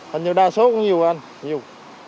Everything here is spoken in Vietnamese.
hình như đa số cũng nhiều rồi anh nhiều